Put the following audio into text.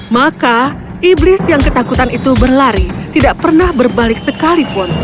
maka iblis yang ketakutan itu berlari tidak pernah berbalik sekalipun